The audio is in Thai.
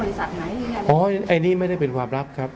ว่าอาจส่งขอให้บริษัทไหมอ๋อไอ้นี่ไม่ได้เป็นความลับครับ